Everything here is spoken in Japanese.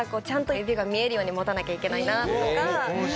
ちゃんと指が見えるように持たなきゃいけないなとか。